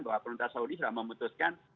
bahwa pemerintah saudi sudah memutuskan